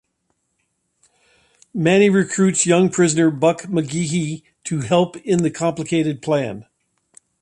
Manny recruits young prisoner Buck McGeehy to help in the complicated plan.